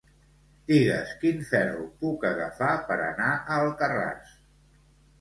Digues quin ferro puc agafar per anar a Alcarràs.